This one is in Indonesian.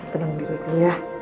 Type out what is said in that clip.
tenang diri gue ya